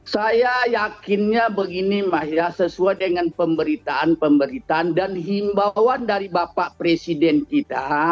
saya yakinnya begini sesuai dengan pemberitaan pemberitaan dan himbawan dari bapak presiden kita